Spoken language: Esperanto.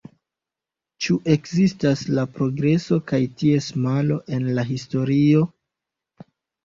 Ĉu ekzistas la progreso kaj ties malo en la historio?